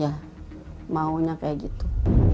ya maunya kayak gitu